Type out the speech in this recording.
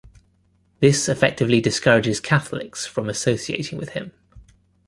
This effectively discourages Catholics from associating with him.